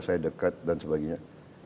saya dekat dan sebagainya